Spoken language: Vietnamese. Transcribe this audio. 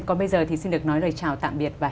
còn bây giờ thì xin được nói lời chào tạm biệt và hẹn gặp